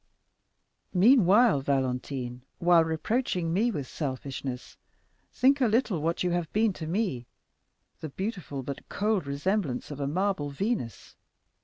Meanwhile, Valentine, while reproaching me with selfishness, think a little what you have been to me—the beautiful but cold resemblance of a marble Venus.